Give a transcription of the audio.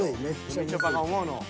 みちょぱが思うのを。